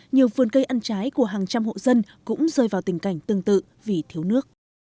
nhiều vườn cây ăn trái của hàng trăm hộ dân cũng rơi vào tình cảnh tương tự vì thiếu nước